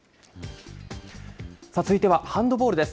続いてはハンドボールです。